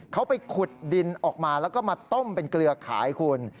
เขาไปขุดดินออกมาแล้วก็มาต้มเป็นเกลือขายคุณ